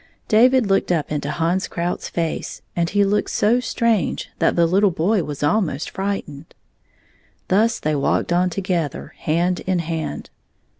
David looked up into Hans Krout's face, and he looked so strange, that the little boy was almost frightened. Thus they walked on together, hand in hand.